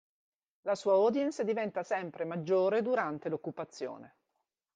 La sua audience diventa sempre maggiore durante l'Occupazione.